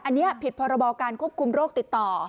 อันนี้ผิดพรบการควบคุมโรคติดต่อ